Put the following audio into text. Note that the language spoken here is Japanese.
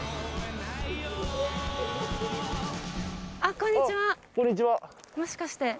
こんにちは。